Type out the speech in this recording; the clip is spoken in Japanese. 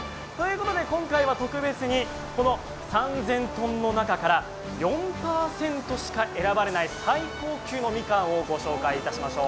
今回は特別にこの３０００ｔの中から４％しか選ばれない最高級のみかんをご紹介しましょう。